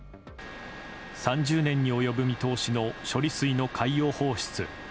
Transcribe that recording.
３０年に及ぶ見通しの処理水の海洋放出。